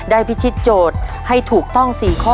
พิชิตโจทย์ให้ถูกต้อง๔ข้อ